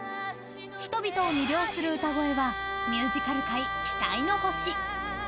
人々を魅了する歌声はミュージカル界期待の星。